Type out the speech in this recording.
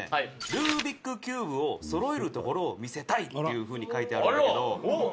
“ルービックキューブをそろえるところを見せたい”っていう風に書いてあるんだけど」